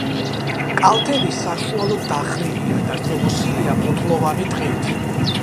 კალთები საშუალოდ დახრილია და შემოსილია ფოთლოვანი ტყით.